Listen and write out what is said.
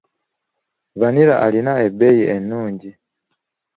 Vanilla alina ebbeeyi ennungi.